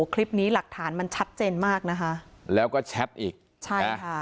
คลิปนี้หลักฐานมันชัดเจนมากนะคะแล้วก็แชทอีกใช่ค่ะ